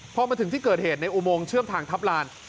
พอมาถึงที่เกิดเหตุในอุโมงเชื่อมทางทัพลาน